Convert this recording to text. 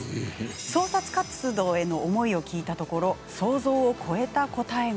創作活動への思いを聞いたところ想像を超えた答えが。